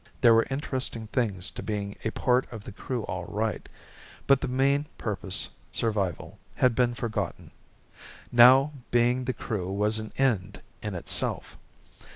There were interesting things to being a part of the Crew all right. But the main purpose, survival, had been forgotten. Now being the Crew was an end in itself.